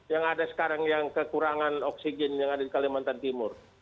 yang ada sekarang yang kekurangan oksigen yang ada di kalimantan timur